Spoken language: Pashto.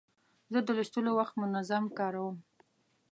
زه د لوستلو وخت منظم کاروم.